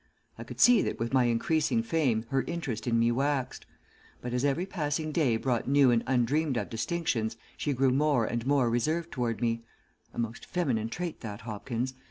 I could see that with my increasing fame, her interest in me waxed; but as every passing day brought new and undreamed of distinctions she grew more and more reserved toward me a most feminine trait that, Hopkins.